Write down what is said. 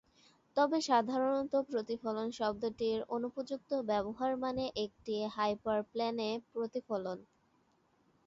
তবে, সাধারণত, "প্রতিফলন" শব্দটির অনুপযুক্ত ব্যবহার মানে একটি হাইপারপ্লেনে প্রতিফলন।